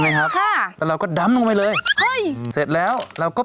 คนที่ชอบรสจัดถึงเครื่อง